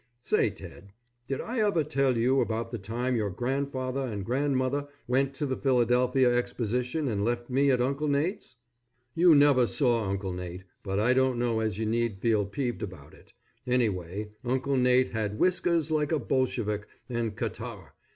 Say, Ted, did I ever tell you about the time your grandfather and grandmother went to the Philadelphia Exposition and left me at Uncle Nate's? You never saw Uncle Nate; but I don't know as you need feel peeved about it. Anyway, Uncle Nate had whiskers like a Bolshevik, and catarrh.